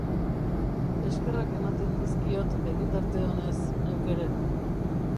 Eskerrak ematen dizkiot, begitarte onez neuk ere.